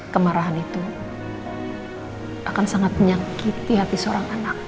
kemarahan itu akan sangat menyakiti hati seorang anak